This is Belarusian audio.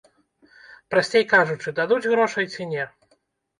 Прасцей кажучы, дадуць грошай ці не?